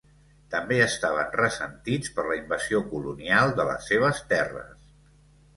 També estaven ressentits per la invasió colonial de les seves terres.